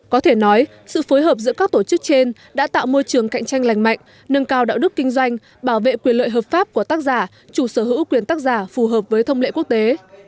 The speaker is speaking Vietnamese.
có thể nói sự phối hợp giữa các tổ chức trên đã tạo môi trường cạnh tranh lành mạnh nâng cao đạo đức kinh doanh bảo vệ quyền lợi hợp pháp của tác giả chủ sở hữu quyền tác giả phù hợp với thông lệ quốc tế